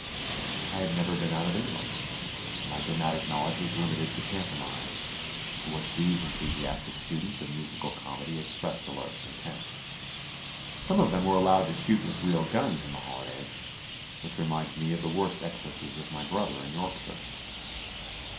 I had never been out of England, and my dramatic knowledge was limited to pantomimes, for which these enthusiastic students of musical comedy expressed a large contempt. Some of them were allowed to shoot with real guns in the holidays, which reminded me of the worst excesses of my brother in Yorkshire.